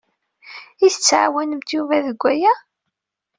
I tɛawnemt Yuba deg waya?